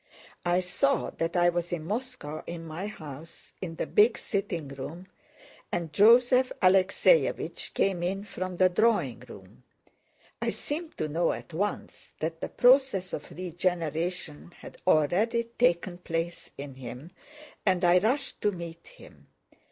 I saw that I was in Moscow in my house, in the big sitting room, and Joseph Alexéevich came in from the drawing room. I seemed to know at once that the process of regeneration had already taken place in him, and I rushed to meet him.